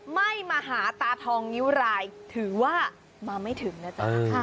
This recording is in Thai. ไม่มาหาตาทองนิ้วรายถือว่ามาไม่ถึงนะจ๊ะ